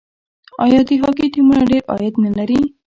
آیا د هاکي ټیمونه ډیر عاید نلري؟